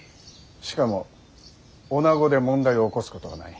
しかも女子で問題を起こすことはない。